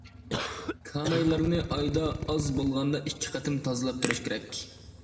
كانايلارنى ئايدا ئاز بولغاندا ئىككى قېتىم تازىلاپ تۇرۇش كېرەك.